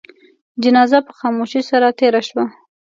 جنازه په خاموشی سره تېره شوه.